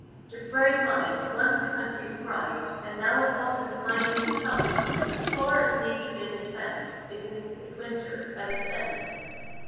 The bright mind, once the country's pride And now at Autumn's high noon tide, As far as Nature did intend. Is in its Winter; at its end.